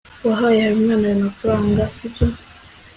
wahaye habimana ayo mafaranga, sibyo